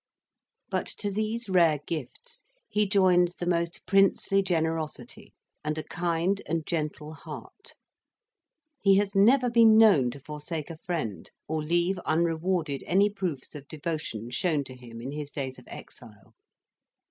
But to these rare gifts he joins the most princely generosity, and a kind and gentle heart: he has never been known to forsake a friend, or leave unrewarded any proofs of devotion shown to him in his days of exile.